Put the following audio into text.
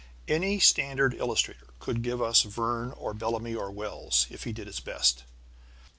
Any standard illustrator could give us Verne or Bellamy or Wells if he did his best.